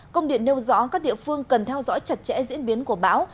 công điện nêu rõ các địa phương cần theo dõi chặt chẽ diễn biến của bão